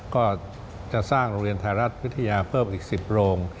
ก็จะสร้างโรงเรียนไทยรัฐวิทยาเพิ่มอีก๑๐โรง